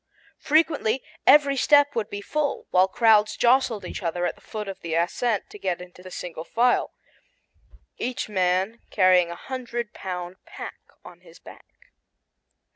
Frequently every step would be full, while crowds jostled each other at the foot of the ascent to get into the single file, each man carrying a hundred pound pack on his back.